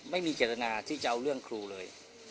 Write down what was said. ไม่มีเจตนาที่จะเอาเรื่องครูเลย